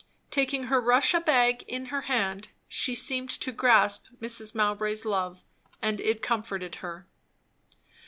Taking her Russia bag in her hand, she seemed to grasp Mrs. Mowbray's love; and it comforted her.